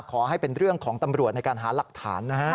ขอให้เป็นเรื่องของตำรวจในการหาหลักฐานนะฮะ